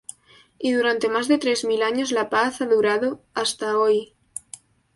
Y durante más de tres mil años la paz ha durado... Hasta hoy...